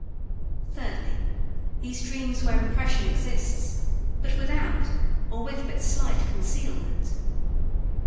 Thirdly, these dreams where repression exists, but without or with but slight concealment.